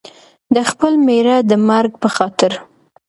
د خپل مېړه د مرګ په خاطر.